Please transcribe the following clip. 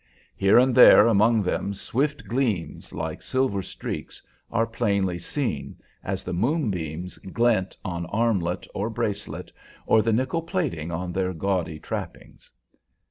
Here and there among them swift gleams, like silver streaks, are plainly seen, as the moonbeams glint on armlet or bracelet, or the nickel plating on their gaudy trappings.